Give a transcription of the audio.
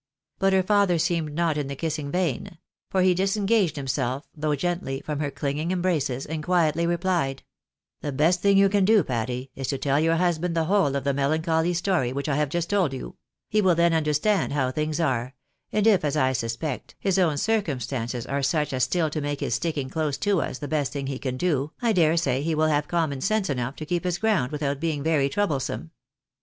But her father seemed not in the kissing vein ; for he disengaged him self, though gently, from her clinging embraces, and quietly replied — THE PLEASURES OF LTING. 15 " The best thing you can do, Patty, is to tell your husband the whole of the melancholy story which I have just told you ; he will then understand how things are, and if, as I suspect, his own circumstances are such as still to make his sticking close to us the best thing he can do., I dare say he wiU have common sense enough to keep his groimd without being very troublesome.